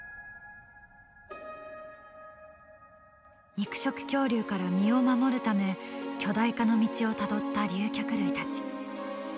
肉食恐竜から身を守るため巨大化の道をたどった竜脚類たち。